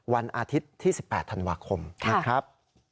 วันอาทิตย์ที่๑๘ธันวาคมนะครับ